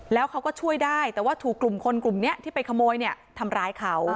แล้วเขาก็ช่วยได้แต่ว่าถูกกลุ่มคนกลุ่มนี้ที่ไปขโมยเนี่ยทำร้ายเขา